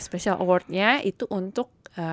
special awardnya itu untuk